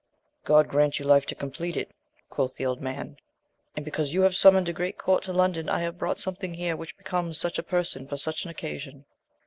God grant you life to compleat it ! quoth the old man, and because you have summoned a great court to London, I have brought something here which becomes such a person for such an occasion.